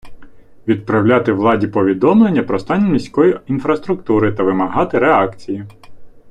Відправляти владі повідомлення про стан міської інфраструктури та вимагати реакції.